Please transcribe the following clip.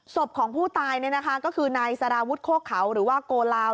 ศพของผู้ตายก็คือนายสารวุฒิโคกเขาหรือว่าโกลาว